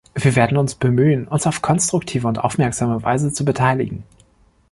Wir werden uns bemühen, uns auf konstruktive und aufmerksame Weise zu beteiligen.